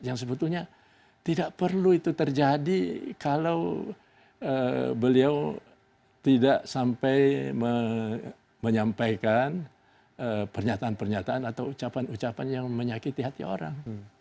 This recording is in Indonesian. yang sebetulnya tidak perlu itu terjadi kalau beliau tidak sampai menyampaikan pernyataan pernyataan atau ucapan ucapan yang menyakiti hati orang